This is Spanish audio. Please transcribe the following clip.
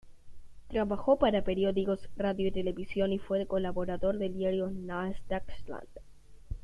Trabajó para periódicos, radio y televisión y fue colaborador del diario "Neues Deutschland".